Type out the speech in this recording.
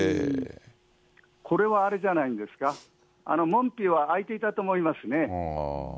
これは、あれじゃないんですか、門扉は開いていたと思いますね。